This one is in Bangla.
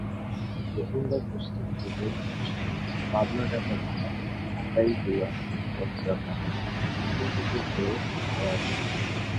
প্রথমবার প্রস্তাবিত রেলপথ ছিল পাবনা-ঢাকা ভায়া আতাইকুলা-বনগ্রাম বাজারের দক্ষিণ দিক হয়ে ঢালারচর।